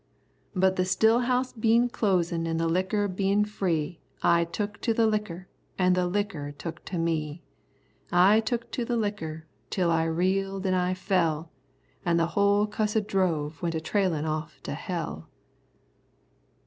"But the stillhouse bein' close an' the licker bein' free I took to the licker, an' the licker took to me. I took to the licker, till I reeled an' I fell, An' the whole cussed drove went a trailin' off to hell."